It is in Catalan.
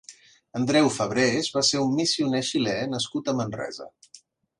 Andreu Febrers va ser un missioner xilè nascut a Manresa.